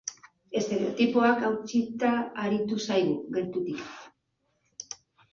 Estereotipoak hautsita aritu zaigu, gertutik.